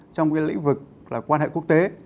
trong các lĩnh vực quan hệ quốc tế